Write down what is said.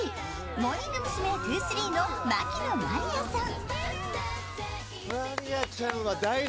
モーニング娘’２３の牧野真莉愛さん